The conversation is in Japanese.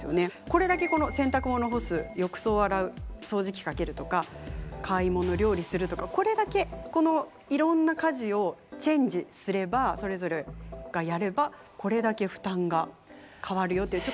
これだけこの洗濯物干す浴槽を洗う掃除機かけるとか買い物料理するとかこれだけこのいろんな家事をチェンジすればそれぞれがやればこれだけ負担が変わるよという。